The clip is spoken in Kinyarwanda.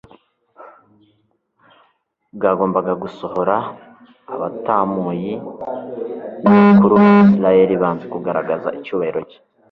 bwagombaga gusohora. Abatambyi n’abakuru ba Israeli banze kugaragaza icyubahiro cye,